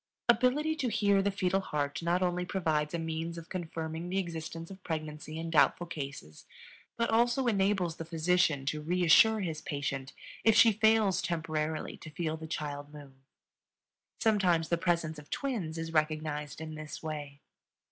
Ability to hear the fetal heart not only provides a means of confirming the existence of pregnancy in doubtful cases, but also enables the physician to reassure his patient if she fails temporarily to feel the child move. Sometimes the presence of twins is recognized in this way.